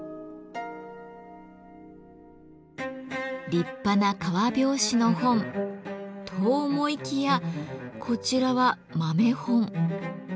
立派な革表紙の本と思いきやこちらは豆本。